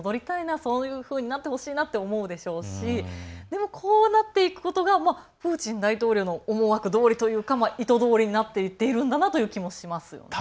そういうふうになってほしいなと思うでしょうしでも、こうなっていくことがプーチン大統領の思惑どおりというか意図通りになっていっているんだなと思います。